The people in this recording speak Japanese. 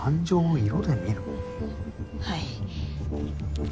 はい。